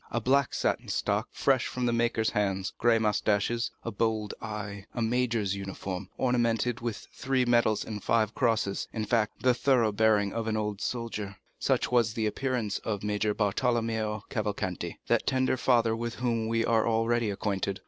A black satin stock, fresh from the maker's hands, gray moustaches, a bold eye, a major's uniform, ornamented with three medals and five crosses—in fact, the thorough bearing of an old soldier—such was the appearance of Major Bartolomeo Cavalcanti, that tender father with whom we are already acquainted.